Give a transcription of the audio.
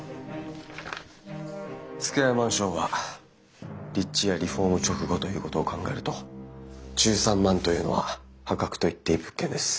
スクエアマンションは立地やリフォーム直後ということを考えると１３万というのは破格と言っていい物件です。